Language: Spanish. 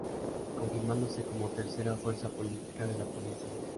Confirmándose como tercera fuerza política de la provincia.